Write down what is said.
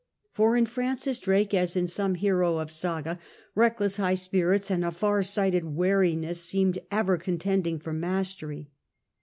For in Francis Drake, as in some hero of saga, reckless high spirits and a far sighted wariness seem ever contending for mastery.